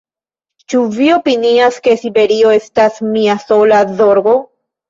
Ĉu vi opinias, via Siberio estas mia sola zorgo?